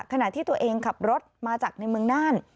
ขณะที่ตัวเองขับรถมาจากในเมืองน่าน